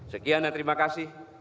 sekian dan terima kasih